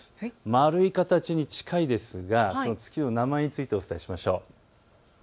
丸い形に近いですが、その月の名前についてお伝えしましょう。